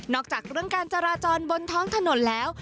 อกจากเรื่องการจราจรบนท้องถนนแล้ว